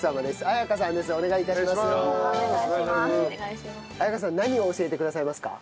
彩香さん何を教えてくださいますか？